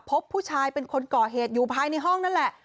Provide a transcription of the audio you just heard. พบผู้ชายเป็นคนก่อเหตุอยู่ภายในห้องนั่นแหละ